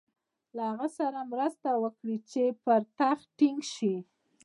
له هغه سره مرسته وکړي چې پر تخت ټینګ شي.